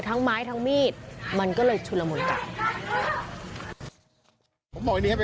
ไม้ทั้งมีดมันก็เลยชุนละมุนกัน